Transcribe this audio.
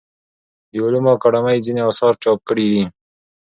د علومو اکاډمۍ ځینې اثار چاپ کړي دي.